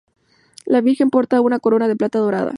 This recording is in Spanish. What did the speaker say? La Virgen porta una corona de plata dorada.